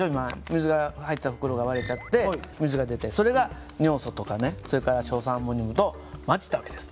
水が入った袋が割れちゃって水が出てそれが尿素とかそれから硝酸アンモニウムと混じった訳です。